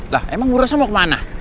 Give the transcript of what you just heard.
lah emang ngurusnya mau kemana